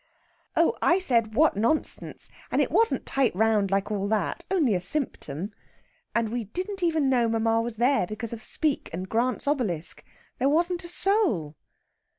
"Oh, I said what nonsense, and it wasn't tight round like all that; only a symptom. And we didn't even know mamma was there because of Speke and Grant's obelisk. There wasn't a soul!